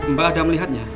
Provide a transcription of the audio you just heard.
mbak ada melihatnya